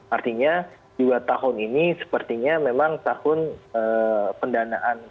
artinya dua tahun ini sepertinya memang tahun pendanaan